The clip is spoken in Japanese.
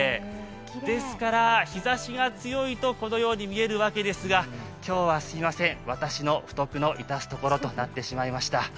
ですから日ざしが強いとこのように見えるわけですが、今日はすみません、私の不徳のいたすところとなってしまいました。